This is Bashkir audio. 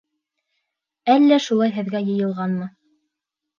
Әллә шулай һеҙгә йыйылғанмы